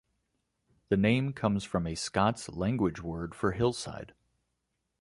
The name comes from a Scots language word for hillside.